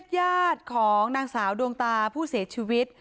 ญาติของนางสาวดวงตาผู้เสียชีวิต